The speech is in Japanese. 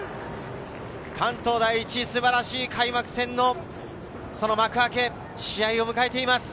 関東第一、素晴らしい開幕戦の幕開け、試合を迎えています。